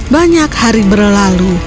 banyak hari berlalu